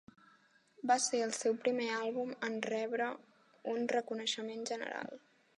Va ser el seu primer àlbum en rebre un reconeixement general.